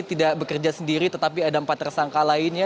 tidak bekerja sendiri tetapi ada empat tersangka lainnya